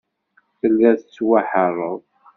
Telliḍ tettwaḥeṛṛeḍ.